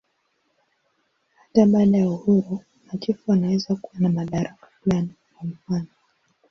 Hata baada ya uhuru, machifu wanaweza kuwa na madaraka fulani, kwa mfanof.